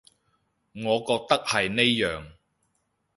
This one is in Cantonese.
我覺得係呢樣